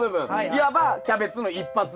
いわばキャベツの一発目。